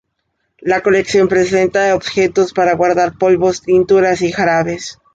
La colección presenta objetos para guardar polvos, tinturas y jarabes.